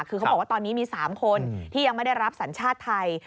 คือเขาบอกว่าตอนนี้มี๓คนที่ยังไม่ได้รับสัญชาติไทย